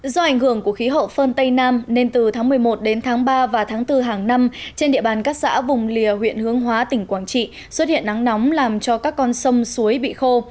do ảnh hưởng của khí hậu phương tây nam nên từ tháng một mươi một đến tháng ba và tháng bốn hàng năm trên địa bàn các xã vùng lìa huyện hướng hóa tỉnh quảng trị xuất hiện nắng nóng làm cho các con sông suối bị khô